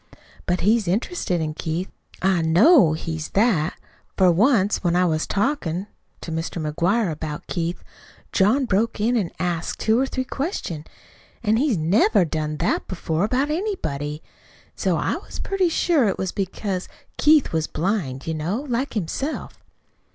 But he's interested in Keith I KNOW he's that, for once, when I was talkin' to Mr. McGuire about Keith, John broke in an' asked two or three questions, an' he's NEVER done that before, about anybody. An' so I was pretty sure it was because Keith was blind, you know, like himself."